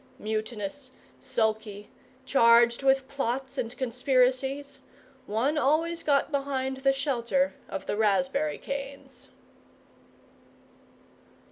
Mutinous, sulky, charged with plots and conspiracies, one always got behind the shelter of the raspberry canes.